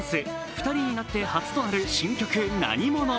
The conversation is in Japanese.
２人になって初となる新曲「なにもの」。